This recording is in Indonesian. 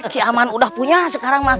kiaman sudah punya sekarang